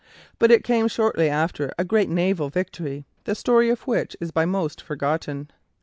But it came shortly after a great naval victory, the story of which is by most forgotten.